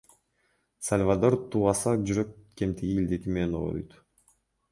Сальвадор тубаса жүрөк кемтиги илдети менен ооруйт.